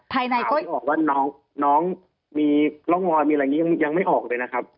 ก็ยังบอกว่าน้องมีร่องรอยมีอะไรอย่างนี้ยังไม่ออกเลยนะครับ